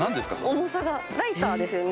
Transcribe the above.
重さがライターですよね？